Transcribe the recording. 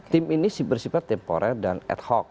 tim ini bersifat temporer dan ad hoc